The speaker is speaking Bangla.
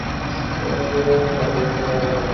ক্রমানুবর্তিতার ভাব ব্যতীত কার্যকারণ-ভাবও থাকিতে পারে না।